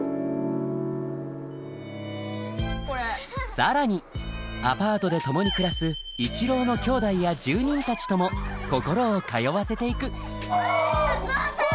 更にアパートで共に暮らす一郎のきょうだいや住人たちとも心を通わせていくゾウさん！